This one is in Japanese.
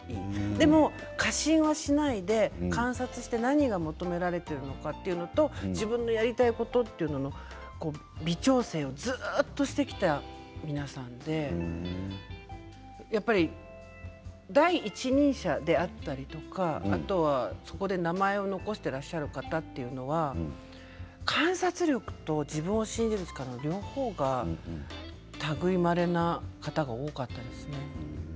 でも、過信はしないで観察して何を求められているのかということと自分でやりたいことというのを微調整をずっとしてきた皆さんでやっぱり第一人者であったりとかそこで名前を残していらっしゃる方というのは観察力と自分を信じる力、両方がたぐいまれな方が多かったですね。